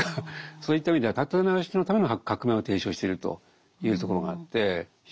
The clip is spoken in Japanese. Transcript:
そういった意味では立て直しのための革命を提唱してるというところがあって非常に興味深い。